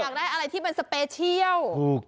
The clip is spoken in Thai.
อยากได้อะไรที่สเปเชี่ยว